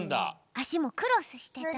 あしもクロスしてた。